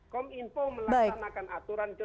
kominfo melaksanakan aturan itu